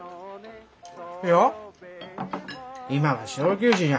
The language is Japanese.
いや。